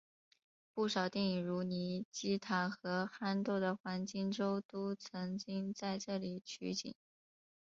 不少电影如尼基塔和憨豆的黄金周都曾经在这里取景。